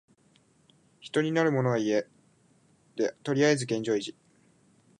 ひとりになるのもいやで、とりあえず現状維持。